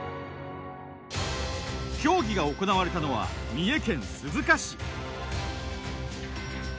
競技が行われたのは三重県鈴鹿市。